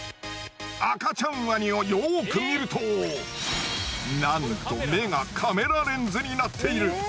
赤ちゃんワニをよく見るとなんと目がカメラレンズになっている！